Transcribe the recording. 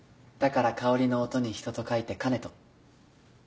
だから香りの音に人と書いて香音人。